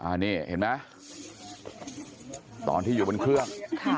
อันนี้เห็นไหมตอนที่อยู่บนเครื่อง